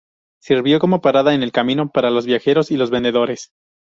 Sirvió como parada en el camino para los viajeros y los vendedores.